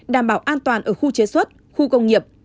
đảm bảo an toàn ở khu chế xuất khu công nghiệp